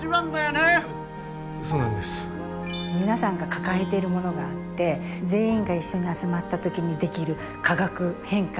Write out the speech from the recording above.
皆さんが抱えているものがあって全員が一緒に集まった時にできる化学変化